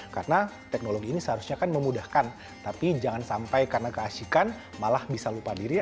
karena teknologi ini seharusnya kan memudahkan tapi jangan sampai karena keasikan malah bisa lupa diri